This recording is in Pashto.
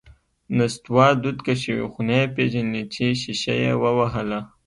نستوه دود کشوي، خو نه یې پېژني چې شیشه یې ووهله…